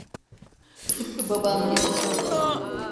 Tıpkı babam gibi.